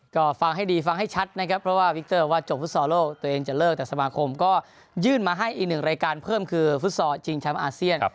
ก็ฟังให้ดีฟังให้ชัดนะครับเพราะว่าวิกเตอร์ว่าจบฟุตซอลโลกตัวเองจะเลิกแต่สมาคมก็ยื่นมาให้อีกหนึ่งรายการเพิ่มคือฟุตซอลชิงแชมป์อาเซียน